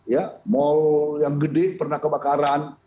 ya mal yang gede pernah kebakaran